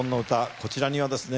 こちらにはですね